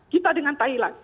kita dengan thailand